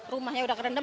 rumahnya sudah kerendam